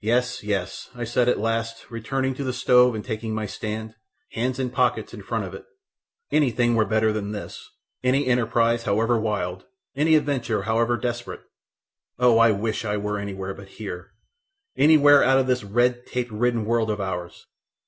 "Yes, yes," I said at last, returning to the stove and taking my stand, hands in pockets, in front of it, "anything were better than this, any enterprise however wild, any adventure however desperate. Oh, I wish I were anywhere but here, anywhere out of this redtape ridden world of ours!